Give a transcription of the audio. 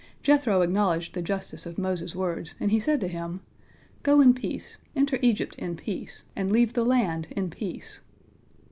Jethro acknowledged the justice of Moses' words, and he said to him, "Go in peace, enter Egypt in peace, and leave the land in peace."